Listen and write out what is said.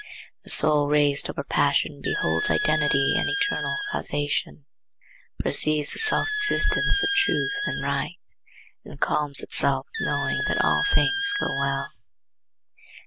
The soul raised over passion beholds identity and eternal causation, perceives the self existence of Truth and Right, and calms itself with knowing that all things go well.